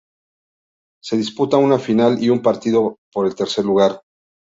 Se disputa una final y un partido por el tercer lugar.